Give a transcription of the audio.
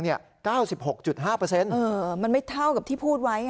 ๙๖๕มันไม่เท่ากับที่พูดไว้